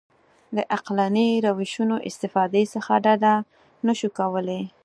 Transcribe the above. د عقلاني روشونو استفادې څخه ډډه نه شو کولای.